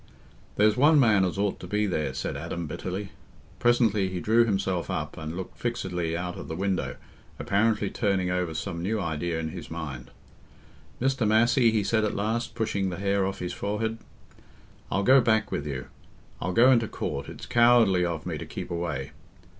"There's one man as ought to be there," said Adam bitterly. Presently he drew himself up and looked fixedly out of the window, apparently turning over some new idea in his mind. "Mr. Massey," he said at last, pushing the hair off his forehead, "I'll go back with you. I'll go into court. It's cowardly of me to keep away.